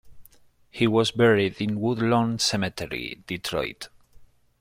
He was buried in Woodlawn Cemetery, Detroit.